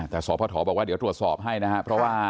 แต่สอบพ่อถอบบอกว่าเดี๋ยวตรวจสอบให้นะครับ